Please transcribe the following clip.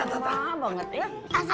mahal banget ya